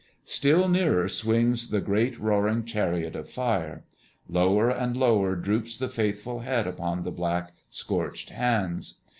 Still nearer swings the great roaring chariot of fire. Lower and lower droops the faithful head upon the black, scorched hands.